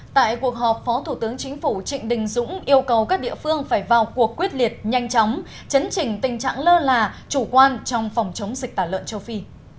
tại cuộc họp phó thủ tướng chính phủ trịnh đình dũng yêu cầu các địa phương phải vào cuộc quyết liệt nhanh chóng chấn trình tình trạng lơ là chủ quan trong phòng chống dịch tả lợn châu phi